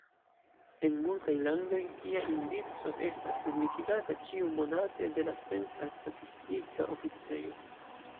En multaj landoj, tia indico estas publikigata ĉiumonate de la centra statistika oficejo.